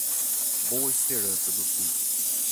Boa Esperança do Sul